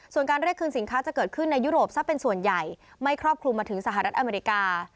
ส่วนการเรียกคืนสินค้าจะเกิดขึ้นในยุโรปซะเป็นส่วนใหญ่ไม่ครอบคลุมมาถึงสหรัฐอเมริกา